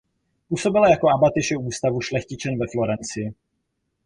Působila jako abatyše Ústavu šlechtičen ve Florencii.